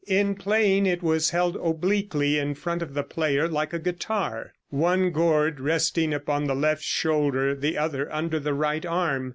In playing, it was held obliquely in front of the player, like a guitar, one gourd resting upon the left shoulder, the other under the right arm.